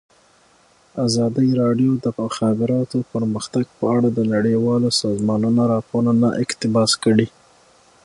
ازادي راډیو د د مخابراتو پرمختګ په اړه د نړیوالو سازمانونو راپورونه اقتباس کړي.